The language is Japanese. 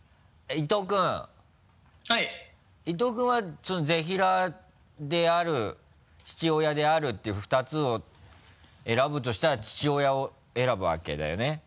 伊藤君はぜひらーである父親であるっていう２つを選ぶとしたら父親を選ぶ訳だよね？